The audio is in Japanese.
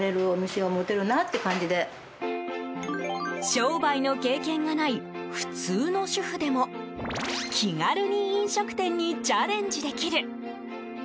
商売の経験がない普通の主婦でも気軽に飲食店にチャレンジできる。